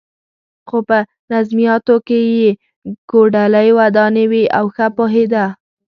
خو په نظمیاتو کې یې کوډلۍ ودانې وې او ښه پوهېده.